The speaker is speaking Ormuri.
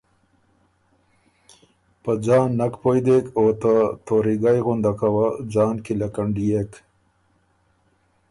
په ځان نک پویٛ دېک، او ته توریګئ غُندکه وه ځان کی لکنډيېک۔